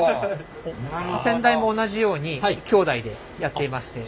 先代も同じように兄弟でやっていまして。